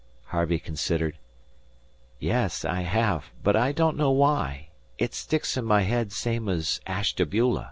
Harvey considered. "Yes, I have. But I don't know why. It sticks in my head same as Ashtabula."